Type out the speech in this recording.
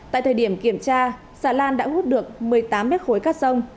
tại thời điểm kiểm tra xà lan đã hút được một mươi tám mét khối cát sông